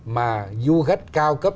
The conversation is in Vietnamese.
mà du khách cao cấp